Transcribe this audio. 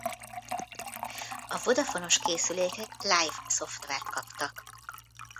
A Vodafone-os készülékek Live!-szoftvert kaptak.